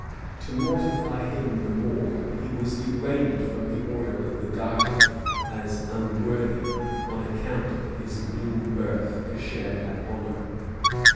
To mortify him the more, he was degraded from the order of the garter; as unworthy, on account of his mean birth, to share that honor.